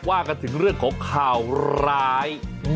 ว่ากันถึงเรื่องของข่าวร้าย